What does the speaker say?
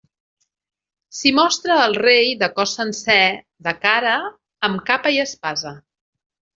S'hi mostra el rei de cos sencer, de cara, amb capa i espasa.